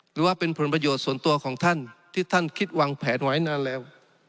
หรือว่าเป็นผลประโยชน์ส่วนตัวของท่านที่ท่านคิดวางแผนไว้นานแล้ว